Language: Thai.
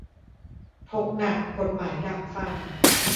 ถกหนัก กฎหมายดักฟัง